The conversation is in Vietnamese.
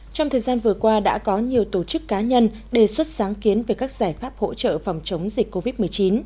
trong thời gian vừa qua đã có nhiều tổ chức cá nhân đề xuất sáng kiến về các giải pháp hỗ trợ phòng chống dịch covid một mươi chín